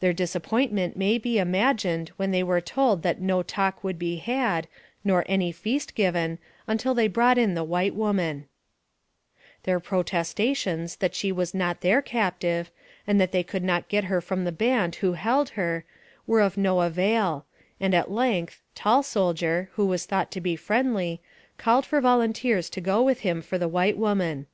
Their disappointment may be imagined when they were told that no talk would be had, nor any feast given, until they brought in the white woman. 23 266 NAERATIVE OF CAPTIVITY Their protestations, that she was not their captive, and that they could not get her from the band who held her, were of no avail, and, at length, Tall Soldier, who was thought to be friendly, called for volunteers to go with him for the white woman.